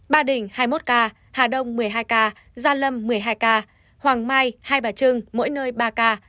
ba đình hai mươi một ca hà đông một mươi hai ca gia lâm một mươi hai ca hoàng mai hai bà trưng mỗi nơi ba ca